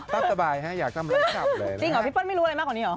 บ้าตะบายอยากทำเรื่องศัลย์ของสรรพครั้ง